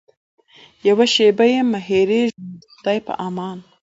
یوه شېبه یمه هېرېږمه د خدای په امان.